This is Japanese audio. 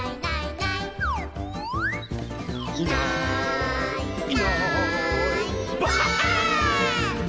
「いないいないばあっ！」